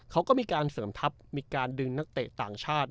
เขาก็มีการเสริมทัพมีการดึงนักเตะต่างชาติ